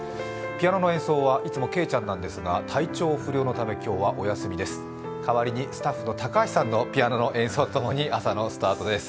ピアノの演奏はいつもはけいちゃんですが、体調不良のため、今日はお休みです代わりにスタッフの高橋さんのピアノの演奏とともに朝のスタートです。